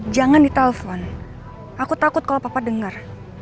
jangan di telpon aku takut kalau papa dengar